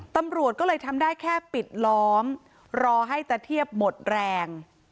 ตำรวจก็เลยทำได้แค่ปิดล้อมรอให้ตะเทียบหมดแรง